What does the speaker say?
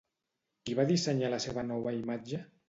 Qui va dissenyar la seva nova imatge?